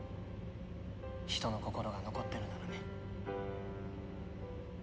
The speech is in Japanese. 人の心が残ってるならね。